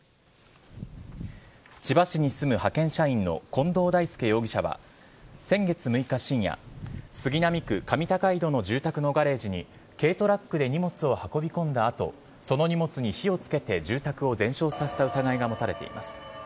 千葉市に住む派遣社員の近藤大輔容疑者は先月６日深夜杉並区上高井戸の住宅のガレージに軽トラックで荷物を運び込んだ後その荷物に火をつけて住宅を全焼させた疑いが持たれています。